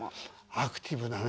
アクティブなね。